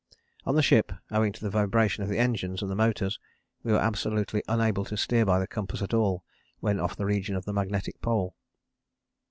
On the ship, owing to the vibration of the engines and the motors, we were absolutely unable to steer by the compass at all when off the region of the Magnetic Pole.